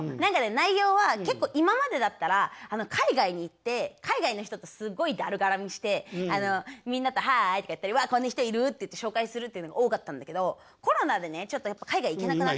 内容は結構今までだったら海外に行って海外の人とすっごいだる絡みしてみんなと「ハイ」とかやったり「わっこんな人いる」っていって紹介するっていうのが多かったんだけどコロナでねちょっとやっぱ海外行けなくなっちゃって。